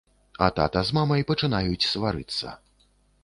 А тата з мамай пачынаюць сварыцца.